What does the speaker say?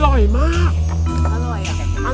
อร่อยอะ